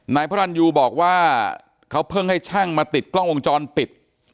นายพระรันยูบอกว่าเขาเพิ่งให้ช่างมาติดกล้องวงจรปิด